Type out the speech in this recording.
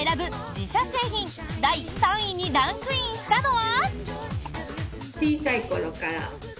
自社製品第３位にランクインしたのは。